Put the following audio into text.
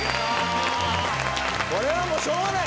これはしょうがない。